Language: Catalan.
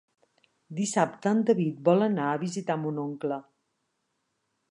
Dissabte en David vol anar a visitar mon oncle.